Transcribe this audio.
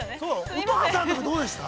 ◆乙葉さんとか、どうでした。